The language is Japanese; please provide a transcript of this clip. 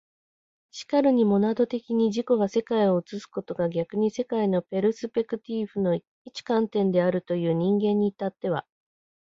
然るにモナド的に自己が世界を映すことが逆に世界のペルスペクティーフの一観点であるという人間に至っては、